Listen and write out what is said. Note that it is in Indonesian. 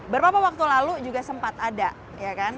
beberapa waktu lalu juga sempat ada ya kan